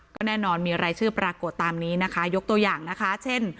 ก็แน่นอนมีรายชื่อปรากฏตามนี้นะคะยกตัวอย่างนะคะเช่น